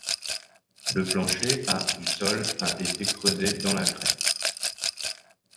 Le plancher à du sol a été creusé dans la craie.